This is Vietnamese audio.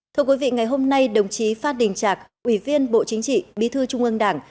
thưa quý vị ngày hôm nay đồng chí phát đình trạc ủy viên bộ chính trị bí thư trung ương đảng